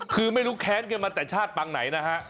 คือไม่รู้แค้นกันมาแต่ชาติปังไหนนะฮะ